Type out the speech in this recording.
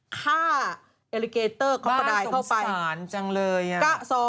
ฆ่าเอลลิเกเตอร์คอปประดายเข้าไปบ้าสงสารจังเลยอ่ะ